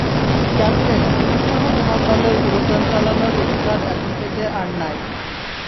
Captain, তুমি সহ তোমার দলের উড়োযান চালানোর অধিকার এখন থেকে আর নেই।